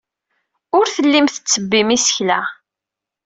Ur tellim tettebbim isekla.